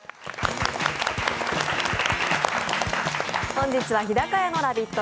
本日は日高屋のラヴィット！